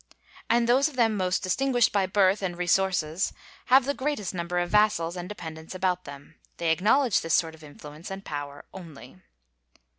And those of them most distinguished by birth and resources have the greatest number of vassals and dependants about them. They acknowledge this sort of influence and power only.